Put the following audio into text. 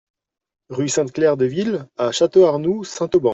Rue Sainte-Claire Deville à Château-Arnoux-Saint-Auban